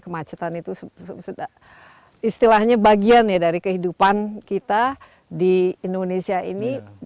kemacetan itu sudah istilahnya bagian ya dari kehidupan kita di indonesia ini